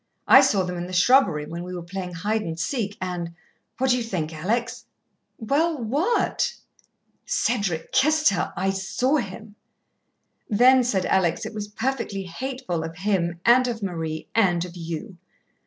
I saw them in the shrubbery when we were playing hide and seek; and what do you think, Alex?" "Well, what?" "Cedric kissed her I saw him." "Then," said Alex, "it was perfectly hateful of him and of Marie and of you."